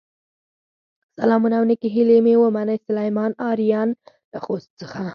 سلامونه او نیکې هیلې مې ومنئ، سليمان آرین له خوست څخه